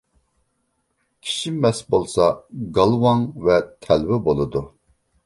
كىشى مەست بولسا گالۋاڭ ۋە تەلۋە بولىدۇ.